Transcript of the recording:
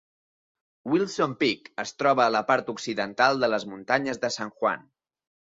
Wilson Peak es troba a la part occidental de les muntanyes de San Juan.